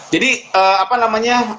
jadi apa namanya